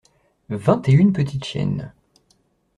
Vingt et une petites chiennes.